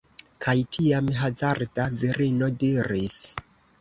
Kaj tiam, hazarda virino diris: